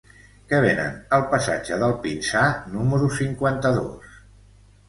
Què venen al passatge del Pinsà número cinquanta-dos?